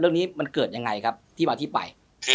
เรื่องนี้มันเกิดยังไงครับที่มาที่ไป